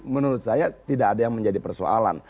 menurut saya tidak ada yang menjadi persoalan